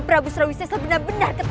rai prabu surawisessa benar benar ketala luas